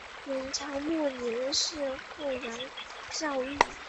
元朝末年是富阳教谕。